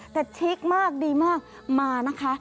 แต่ชิคมากดีมากมานะคะ